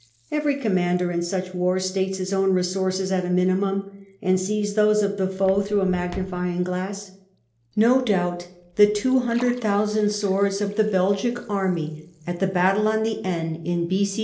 Every commander in such wars states his own resources at a minimum, and sees those of the foe through a magnifying glass, tfo doubt the 200,000 swords of the Belgic army at the battle on the Aisne in B.c.